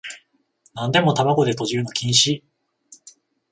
なんでも玉子でとじるの禁止